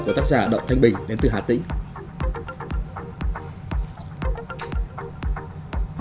của tác giả đậu thanh bình đến từ hà tĩnh